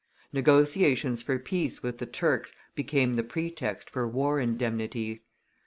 Negotiations for peace with the Turks became the pretext for war indemnities.